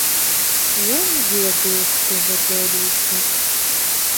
Я не ведаю, хто гэтыя людзі.